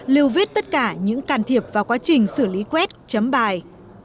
lưu viết tất cả những can thiệp vào quá trình xử lý quét chấm bài